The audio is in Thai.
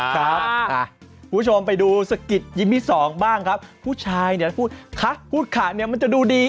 คุณผู้ชมไปดูสกิดยิ้มที่สองบ้างครับผู้ชายเนี่ยพูดคะพูดขาเนี่ยมันจะดูดี